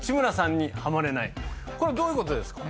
これどういうことですか？